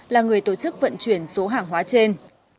là người tổ chức vận chuyển số hàng hóa trên